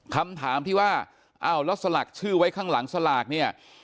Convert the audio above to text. คำถามที่ว่าอ้าวแล้วสลักชื่อไว้ข้างหลังสลากเนี่ย